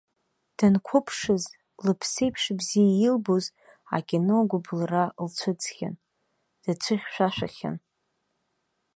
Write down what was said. Данқәыԥшыз, лыԥсеиԥш бзиа илбоз, акино агәыблра лцәыӡхьан, дацәыхьшәашәахьан.